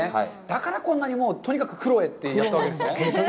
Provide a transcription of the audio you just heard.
だからこんなにとにかく黒へと行ったわけですね。